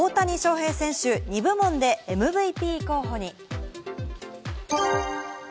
まずはこちら、大谷翔平選手、２部門でＭＶＰ候補に。